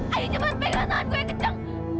ayo cepat pegang tangan gue kejang